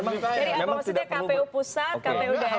jadi apa maksudnya kpu pusat kpu daerah